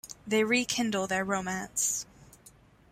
They rekindle their romance.